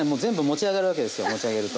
持ちあげると。